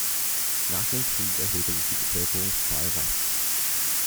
Nach dem Krieg erholte sich die Bevölkerungszahl rasch.